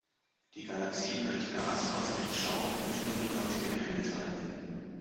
Die Galaxie könnte Gas, kosmischen Staub und Dunkle Materie enthalten.